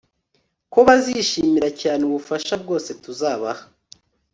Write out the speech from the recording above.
ko bazishimira cyane ubufasha bwose tuzabaha